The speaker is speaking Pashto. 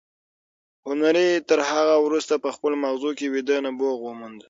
هنري تر هغه وروسته په خپلو ماغزو کې ویده نبوغ وموند